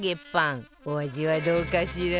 お味はどうかしら？